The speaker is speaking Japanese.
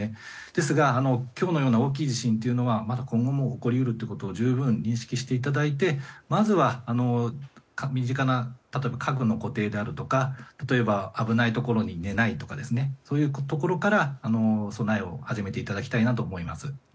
ですが、今日のような大きい地震というのは起こり得るということを十分認識していただいてまずは、身近な例えば家具の固定であるとか危ないところに寝ないとかそういうところから備えを始めていただきたいと思います。